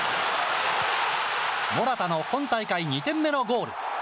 モラタの今大会２点目のゴール。